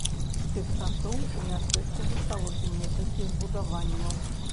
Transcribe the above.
З тых часоў у мястэчку засталося некалькі збудаванняў.